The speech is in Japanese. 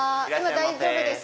大丈夫です。